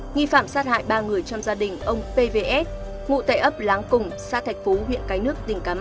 nghi phạm sát hại ba người trong gia đình ông pvs ngụ tại ấp láng cùng xã thạch phú huyện cái nước tỉnh cà mau